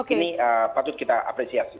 ini patut kita apresiasi